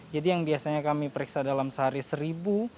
yang biasanya kami periksa dalam sehari seribu